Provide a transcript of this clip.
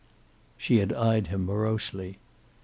She had eyed him morosely.